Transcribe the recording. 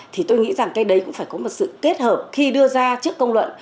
thì tôi nghĩ rằng cái đấy cũng phải có một sự kết hợp khi đưa ra trước công luận